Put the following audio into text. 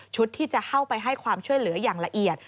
ที่จะเข้าไปให้ความช่วยเหลืออย่างละเอียด